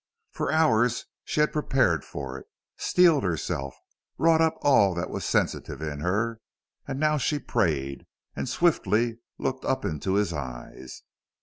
For hours she had prepared for it, steeled herself, wrought upon all that was sensitive in her; and now she prayed, and swiftly looked up into his eyes.